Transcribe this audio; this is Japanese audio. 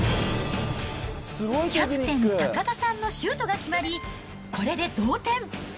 キャプテン、高田さんのシュートが決まり、これで同点。